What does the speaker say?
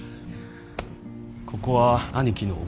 ここは兄貴のおごりで。